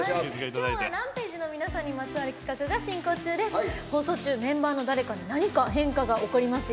今日はＲＡＭＰＡＧＥの皆さんにまつわる企画が進行中です。